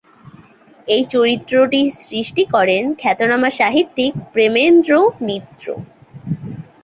এই চরিত্রটি সৃষ্টি করেন খ্যাতনামা সাহিত্যিক প্রেমেন্দ্র মিত্র।